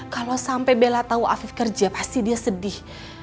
kalau sampai bella tahu afif kerja pasti dia sedih